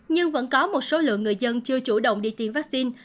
nhưng vẫn có một số lượng người dân chưa chủ động đi tiêm vaccine